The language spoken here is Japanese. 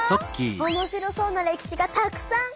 おもしろそうな歴史がたくさん！